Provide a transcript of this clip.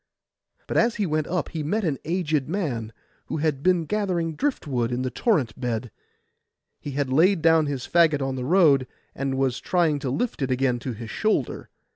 But as he went up he met an aged man, who had been gathering drift wood in the torrent bed. He had laid down his faggot in the road, and was trying to lift it again to his shoulder.